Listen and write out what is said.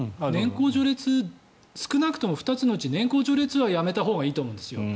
少なくとも２つのうち年功序列はやめたほうがいいと思うんです。